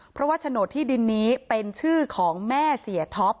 เพราะว่าโฉนดที่ดินนี้เป็นชื่อของแม่เสียท็อป